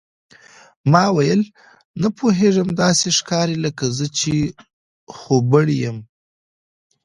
ما وویل، نه پوهېږم، داسې ښکاري لکه زه چې خوبوړی یم.